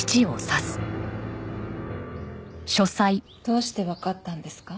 どうしてわかったんですか？